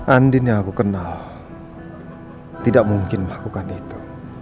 andin yang aku kenal tidak mungkin melakukan itu